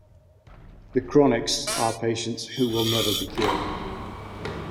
The chronics are patients who will never be cured.